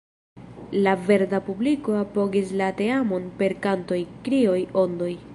La verda publiko apogis la teamon per kantoj, krioj, ondoj.